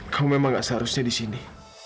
kau memang gak seharusnya di sini